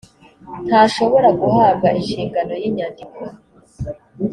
ntashobora guhabwa inshingano y inyandiko